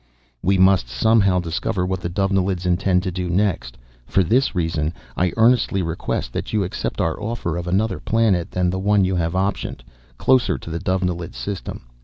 "We must, somehow, discover what the Dovenilids intend to do next. For this reason, I earnestly request that you accept our offer of another planet than the one you have optioned, closer to the Dovenilid system.